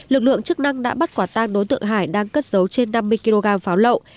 lực lượng chức năng đã bắt quả tang đối tượng hải đang cất dấu trên năm mươi kg pháo lậu